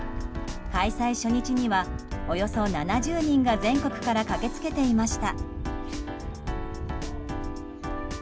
開催初日には、およそ７０人が全国から駆けつけていました。